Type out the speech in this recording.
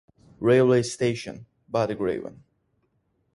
Railway Station: Bodegraven.